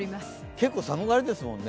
結構寒がりですもんね。